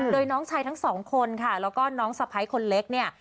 โดยน้องชายทั้งสองคนค่ะแล้วก็น้องสะพ้ายคนเล็กเนี่ย